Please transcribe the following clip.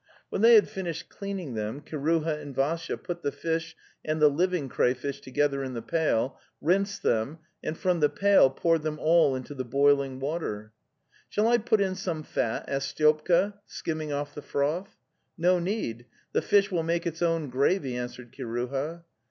When they had finished cleaning them, Kiruha and Vassya put the fish and the living crayfish together in the pail, rinsed them, and from the pail poured them all into the boiling water. '' Shall I put in some fat?" asked Styopka, skim ming off the froth. '""No need. The fish will make its own gravy," answered. Kiruha.